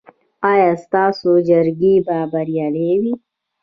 ایا ستاسو جرګې به بریالۍ وي؟